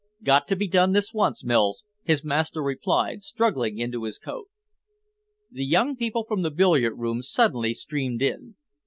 "Got to be done this once, Mills," his master replied, struggling into his coat. The young people from the billiard room suddenly streamed in.